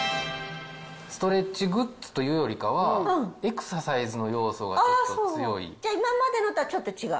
ストレッチグッズというよりかは、エクササイズの要素がちょっと強い。